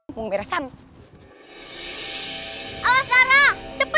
awas ara cepet kabur